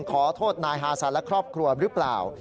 ขอโทษนายฮาซันและครอบครัวหรือเปล่า